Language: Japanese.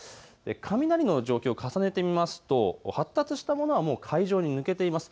雷の状況を重ねてみますと発達したものはもう海上に抜けています。